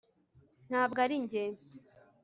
ntabwo ari njye